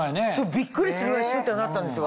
びっくりするぐらいシュってなったんですよ